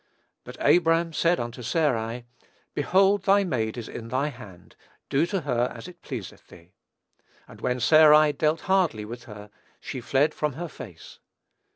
"But Abram said unto Sarai, Behold thy maid is in thy hand; do to her as it pleaseth thee. And when Sarai dealt hardly with her, she fled from her face."